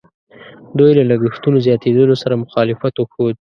دوی له لګښتونو زیاتېدلو سره مخالفت وښود.